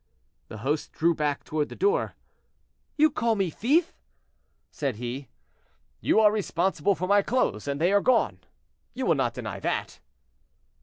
The host drew back toward the door. "You call me thief!" said he. "You are responsible for my clothes, and they are gone—you will not deny that?"